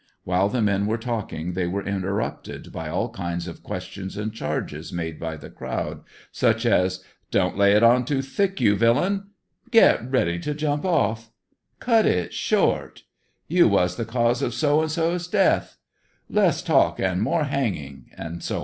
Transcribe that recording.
While the men were talking they w^ere interrupted by all kinds of questions and charges made by the crowd, such as *' don't lay it on too thick, you villain," "get ready to jump off," *' cut it short," " you was the cause of so and so's death," ''less talk and more hinging," &c., &c.